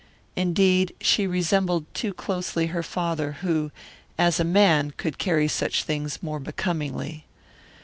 Indeed, she resembled too closely her father, who, as a man, could carry such things more becomingly.